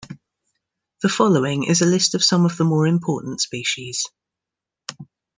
The following is a list of some of the more important species.